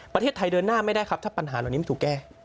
ประเทศไทยเดินหน้าไม่ได้ครับถ้าปัญหาเหล่านี้ไม่ถูกแก้